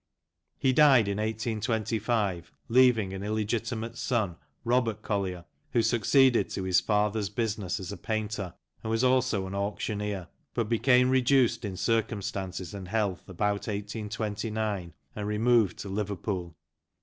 He died in 1825, leaving an illegitimate son, Robert Collier, who succeeded to his father's business as a painter, and was also an auctioneer, but became reduced in circumstances and health about 1829, and removed to Liver pool.